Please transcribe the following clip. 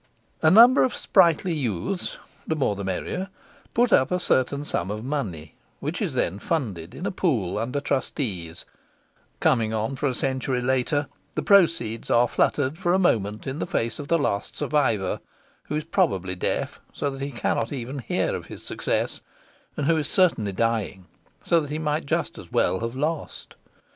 A number of sprightly youths (the more the merrier) put up a certain sum of money, which is then funded in a pool under trustees; coming on for a century later, the proceeds are fluttered for a moment in the face of the last survivor, who is probably deaf, so that he cannot even hear of his success and who is certainly dying, so that he might just as well have lost.